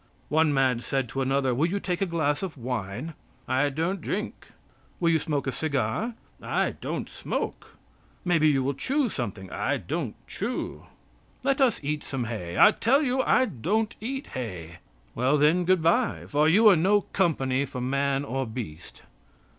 One man said to another: "Will you take a glass of wine?" "I don't drink." "Will you smoke a cigar?" "I don't smoke." "Maybe you will chew something?" "I don't chew." "Let us eat some hay." "I tell you I don't eat hay." "Well, then, good bye; for you are no company for man or beast."